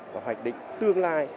hoạch định tương lai